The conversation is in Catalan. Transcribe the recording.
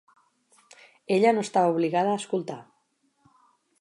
Ella no estava obligada a escoltar.